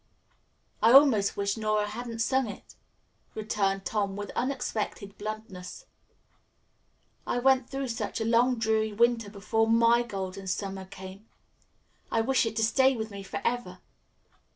"I almost wish Nora hadn't sung it," returned Tom with unexpected bluntness. "I went through such a long, dreary winter before my Golden Summer came. Now I wish it to stay with me forever.